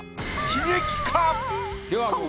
悲劇か？